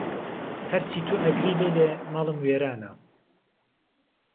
ههرچی تۆ ئهگری لهیلێ، ماڵم وێرانه